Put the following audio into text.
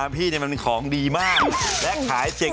นี่ดูคนชงสิว่ายาวขนาดไหน